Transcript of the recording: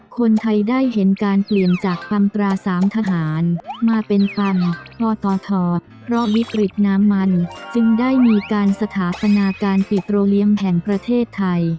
คนไทยได้เห็นการเปลี่ยนจากฟันตราสามทหารมาเป็นฟันมตทเพราะวิกฤตน้ำมันจึงได้มีการสถาปนาการปิโตเรียมแห่งประเทศไทย